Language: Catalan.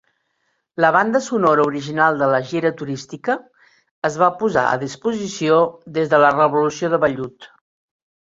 La banda sonora original de la gira turística es va posar a disposició, des de la Revolució de Vellut.